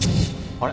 あれ？